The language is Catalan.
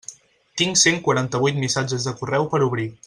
Tinc cent quaranta-vuit missatges de correu per obrir.